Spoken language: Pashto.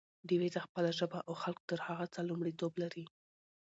ډيوې ته خپله ژبه او خلک تر هر څه لومړيتوب لري